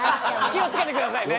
気を付けてくださいね。